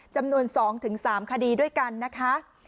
จำนวน๒๓คดีด้วยกันนะคะ